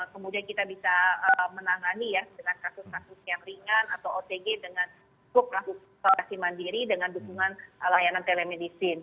kemudian kita bisa menangani ya dengan kasus kasus yang ringan atau otg dengan cukup melakukan isolasi mandiri dengan dukungan layanan telemedicine